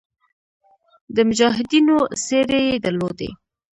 د مجاهدینو څېرې یې درلودې.